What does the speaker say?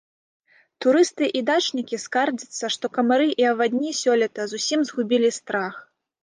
Турысты і дачнікі скардзяцца, што камары і авадні сёлета зусім згубілі страх.